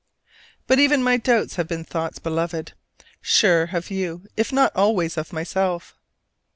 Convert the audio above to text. But even my doubts have been thoughts, Beloved, sure of you if not always of myself.